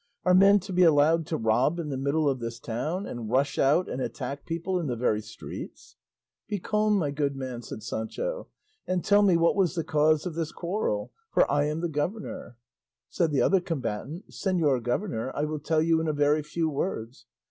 Are men to be allowed to rob in the middle of this town, and rush out and attack people in the very streets?" "Be calm, my good man," said Sancho, "and tell me what the cause of this quarrel is; for I am the governor." Said the other combatant, "Señor governor, I will tell you in a very few words.